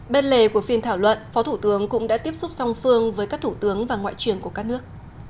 bên lề của phiên thảo luận phó thủ tướng cũng đã tiếp xúc song phương với các thủ tướng và ngoại truyền của các nước